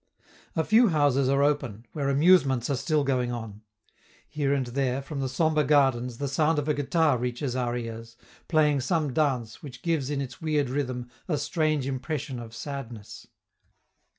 A few houses are open, where amusements are still going on; here and there, from the sombre gardens, the sound of a guitar reaches our ears, playing some dance which gives in its weird rhythm a strange impression of sadness.